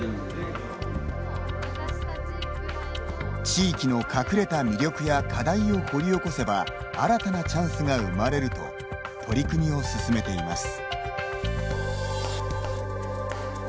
地域の隠れた魅力や課題を掘り起こせば新たなチャンスが生まれると取り組みを進めています。